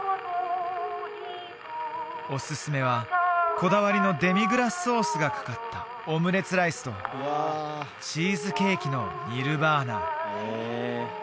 おすすめはこだわりのデミグラスソースがかかったオムレツライスとチーズケーキのニルバーナ